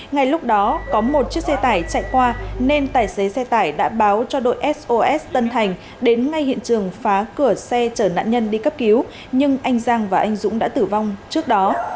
ngay lúc đó có một chiếc xe tải chạy qua nên tài xế xe tải đã báo cho đội sos tân thành đến ngay hiện trường phá cửa xe chở nạn nhân đi cấp cứu nhưng anh giang và anh dũng đã tử vong trước đó